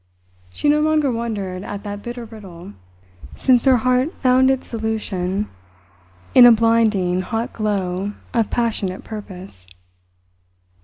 She no longer wondered at that bitter riddle, since her heart found its solution in a blinding, hot glow of passionate purpose.